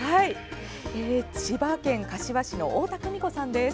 千葉県柏市の太田久美子さんです。